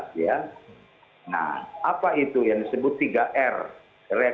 belum ada h desapare